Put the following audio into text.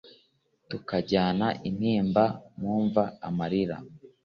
Tukajyana intimba mu mva amarira